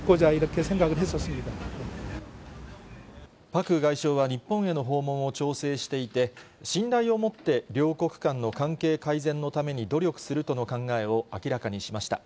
パク外相は日本への訪問を調整していて、信頼をもって両国間の関係改善のために努力するとの考えを明らかにしました。